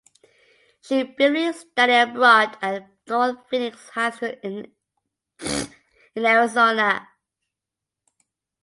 She briefly studied abroad at North Phoenix High School in Arizona.